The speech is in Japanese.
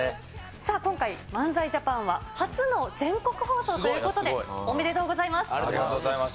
さあ今回、漫才ＪＡＰＡＮは、初の全国放送ということで、おめでとうございます。